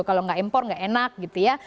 kalau nggak impor nggak enak gitu ya